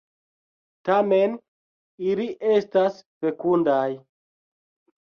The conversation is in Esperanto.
Tamen ili estas fekundaj.